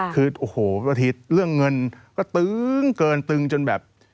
คือโอ้โหบางทีเรื่องเงินก็ตึ้งเกินตึงจนแบบ